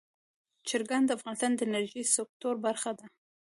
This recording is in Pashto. چرګان د افغانستان د انرژۍ سکتور برخه ده.